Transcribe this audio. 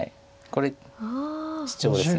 これシチョウです。